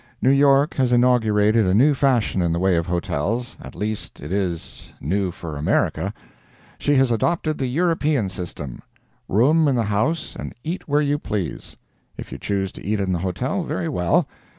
New York has inaugurated a new fashion in the way of hotels—at least, it is new for America. She has adopted the European system: Room in the house and eat where you please. If you choose to eat in the hotel, very well.